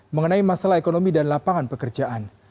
mengenai masalah ekonomi dan lapangan pekerjaan